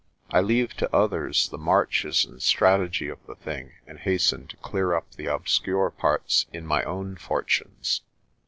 I leave to others the marches and strategy of the thing and hasten to clear up the obscure parts in my own fortunes.